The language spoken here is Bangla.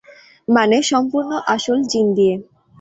মানে সম্পূর্ণ আসল জিন দিয়ে।